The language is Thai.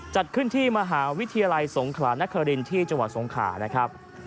จัดขึ้นที่มหาวิทยาลัยสงขลานครินที่จังหวัดสงขานะครับ